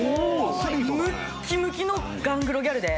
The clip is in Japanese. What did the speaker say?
むきむきのガングロギャルで。